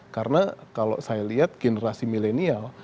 karena kalau saya lihat generasi milenial